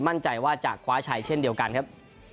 มั่นใจว่าจะคว้าชัยเช่นเดียวกันครับ